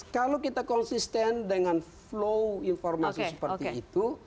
kalau kita konsisten dengan flow informasi seperti itu